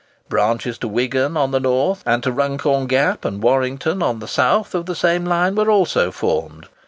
Branches to Wigan on the north, and to Runcorn Gap and Warrington on the south of the same line, were also formed.